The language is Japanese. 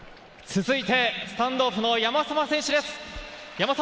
続いてスタンドオフの山沢選手です。